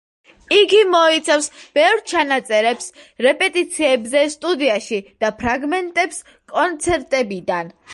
იგი მოიცავს ბევრ ჩანაწერებს რეპეტიციებზე სტუდიაში და ფრაგმენტებს კონცერტებიდან.